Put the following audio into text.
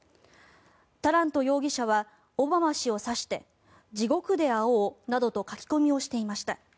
タラント容疑者はオバマ氏を指して地獄で会おうなどと書き込みをしていました。